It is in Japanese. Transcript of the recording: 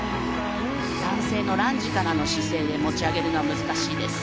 男性のランジからの姿勢で持ち上げるのは難しいです。